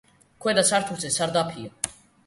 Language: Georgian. ქვედა სართულზე სარდაფია.